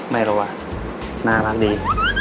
ไม่รู้ว่าน่ารักดี